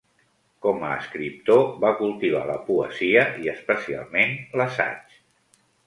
Com a escriptor, va cultivar la poesia i, especialment, l'assaig.